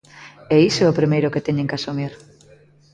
E iso é o primeiro que teñen que asumir.